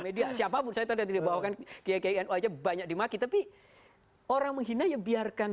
media siapapun saya tadi dibawakan keknya aja banyak dimaki tapi orang menghina ya biarkan